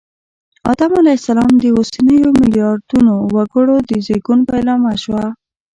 آدم علیه السلام د اوسنیو ملیاردونو وګړو د زېږون پیلامه شوه